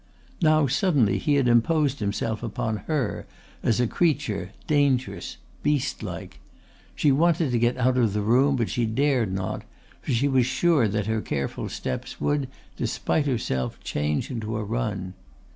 Now suddenly he had imposed himself upon her as a creature dangerous, beastlike. She wanted to get out of the room but she dared not, for she was sure that her careful steps would, despite herself, change into a run.